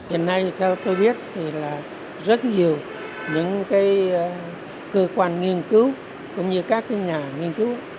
hiện nay theo tôi biết thì là rất nhiều những cơ quan nghiên cứu cũng như các nhà nghiên cứu